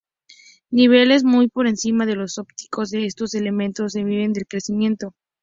Niveles muy por encima de los óptimos de estos elementos inhiben el crecimiento.